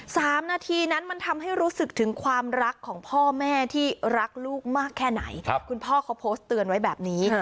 สามนาทีนั้นมันทำให้รู้สึกถึงความรักของพ่อแม่ที่รักลูกมากแค่ไหนครับคุณพ่อเขาโพสต์เตือนไว้แบบนี้